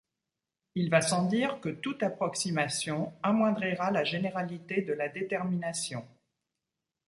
Il va sans dire que toute approximation amoindrira la généralité de la détermination.